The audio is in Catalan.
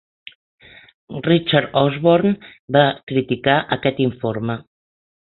Richard Osborne va criticar aquest informe.